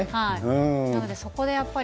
なのでそこでやっぱり。